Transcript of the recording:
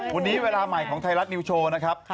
วันนี้เวลาใหม่ของไทยรัฐนิวโชว์นะครับ